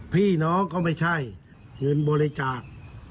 พี่น้องก็ไม่ใช่เงินบริจาค